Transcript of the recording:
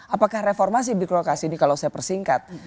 apakah reformasi birokrasi ini kalau saya persingkat